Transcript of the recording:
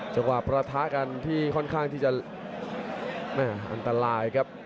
จังหวะประทะกันที่ค่อนข้างที่จะไม่อันตรายครับ